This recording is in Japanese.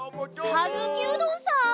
さぬきうどんさん？